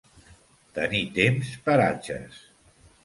Tenir temps per atxes.